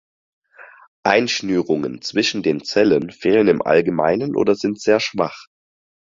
Einschnürungen zwischen den Zellen fehlen im Allgemeinen oder sind sehr schwach.